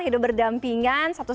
hidup berdampingan satu satunya